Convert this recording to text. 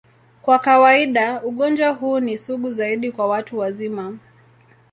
Kwa kawaida, ugonjwa huu ni sugu zaidi kwa watu wazima.